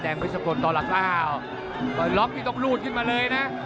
แดงเพศกลต่อหลัก๕ร้องที่ต้องรูดขึ้นมาเลยนะ